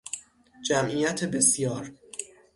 جمعیت بسیار